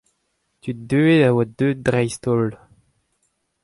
tud deuet a oa deuet dreist-holl.